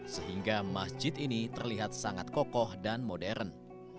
sehingga masjid ini terlihat sangat kokoh dan modern